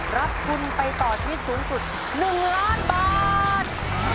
รับคุณไปต่อที่สูงสุดหนึ่งล้านบาท